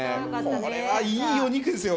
これはいいお肉ですよ。